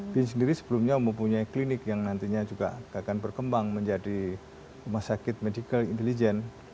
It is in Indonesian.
bin sendiri sebelumnya mempunyai klinik yang nantinya juga akan berkembang menjadi rumah sakit medical intelligence